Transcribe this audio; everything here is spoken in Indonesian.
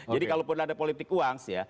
jadi kalau ada politik uang